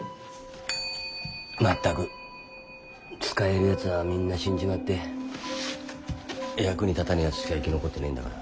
まったく使えるやつらはみんな死んじまって役に立たねえやつしか生き残ってないんだから。